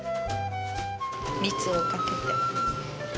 蜜をかけて。